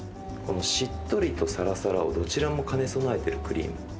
しっとりとサラサラをどちらも兼ね備えてるクリーム。